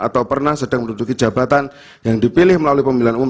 atau pernah sedang menduduki jabatan yang dipilih melalui pemilihan umum